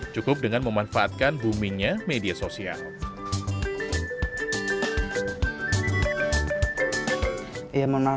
cukup dengan memanfaatkan boomingnya media sosial